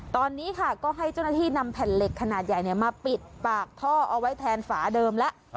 ตอนนี้ค่ะก็ให้เจ้าหน้าที่นำแผ่นเหล็กขนาดใหญ่มาปิดปากท่อเอาไว้แทนฝาเดิมแล้ว